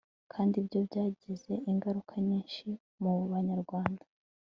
kandi ibyo byagize ingaruka nyinshi mu banyarwanda